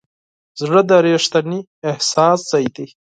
زړه د ریښتیني احساس ځای دی.